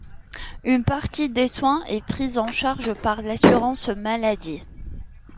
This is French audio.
Une partie des soins est prise en charge par l’Assurance Maladie.